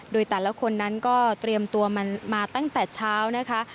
โดยแต่ละคนนั้นก็เตรียมตัวมันมาตั้งแต่เช้านะคะ